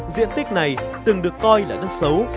diện tích này từng được coi là đất xấu